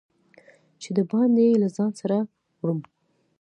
چې د باندي یې له ځان سره وړم